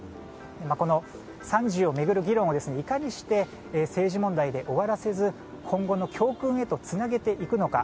この惨事を巡る議論をいかにして政治問題で終わらせず今後の教訓へとつなげていくのか